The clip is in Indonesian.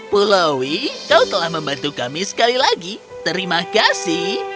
pulaui kau telah membantu kami sekali lagi terima kasih